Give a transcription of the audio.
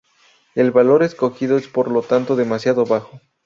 El valor escogido es por lo tanto demasiado bajo.